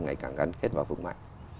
ngày càng gắn kết và vững mạnh